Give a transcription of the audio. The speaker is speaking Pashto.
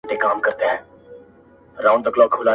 د دوی مخ ته د ملګري کښېناستل وه -